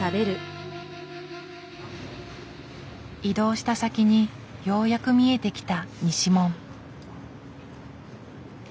移動した先にようやく見えてきた西門。